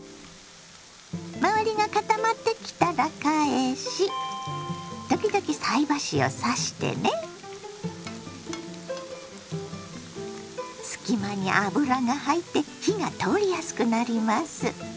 周りが固まってきたら返し時々隙間に油が入って火が通りやすくなります。